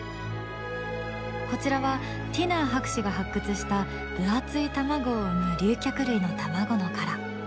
こちらはティナー博士が発掘した分厚い卵を産む竜脚類の卵の殻。